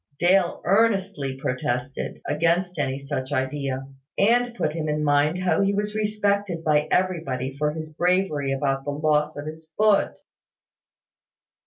Dale earnestly protested, against any such idea, and put him in mind how he was respected by everybody for his bravery about the loss of his foot.